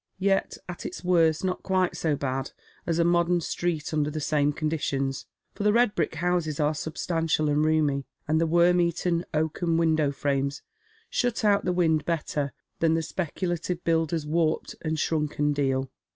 Yet at its worst not quite so bad as a modern street under the same conditions, for the red brick houses are subsiantial and roomy, and the wonn eaten oaken window fi ames shut out the wiad better than the speculative builder's warp^jU and shrunken drai.